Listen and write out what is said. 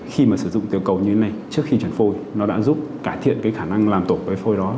khi mà sử dụng tiểu cầu như thế này trước khi chuyển phôi nó đã giúp cải thiện khả năng làm tổ phôi đó